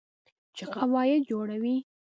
چې قواعد جوړوي.